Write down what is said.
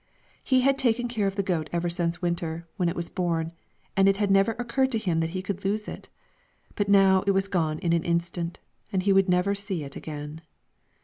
He had taken care of the goat ever since winter, when it was born, and it had never occurred to him that he could lose it; but now it was gone in an instant, and he would never see it again.